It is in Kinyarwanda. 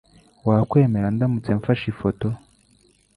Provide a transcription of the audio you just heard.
Wakwemera ndamutse mfashe ifoto?